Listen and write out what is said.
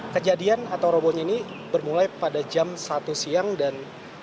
kejadian atau robonya ini bermulai pada jam satu siang dan